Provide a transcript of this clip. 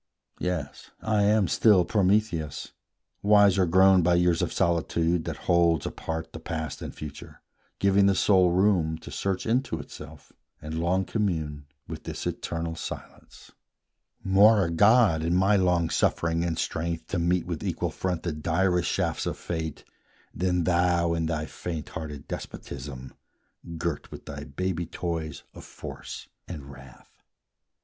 Yes, I am still Prometheus, wiser grown By years of solitude, that holds apart The past and future, giving the soul room To search into itself, and long commune With this eternal silence; more a god, In my long suffering and strength to meet With equal front the direst shafts of fate, Than thou in thy faint hearted despotism, Girt with thy baby toys of force and wrath.